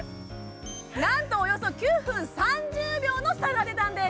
なんとおよそ９分３０秒の差が出たんです・